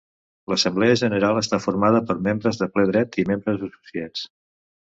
L'Assemblea General està formada per membres de ple dret i membres associats.